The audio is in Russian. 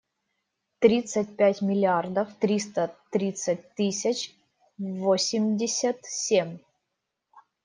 Тридцать пять миллиардов триста тридцать тысяч восемьдесят семь.